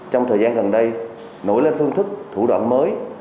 trong thời gian gần đây nổi lên phương thức thủ đoạn mới